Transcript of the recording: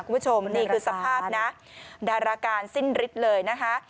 คุณผู้ชมนี่คือสภาพนะดาราการสิ้นฤทธิ์เลยนะคะ